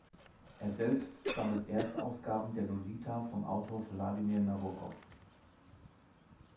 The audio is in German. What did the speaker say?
Er selbst sammelt Erstausgaben der Lolita vom Autor Vladimir Nabokov.